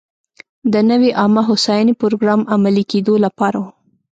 د نوې عامه هوساینې پروګرام عملي کېدو لپاره و.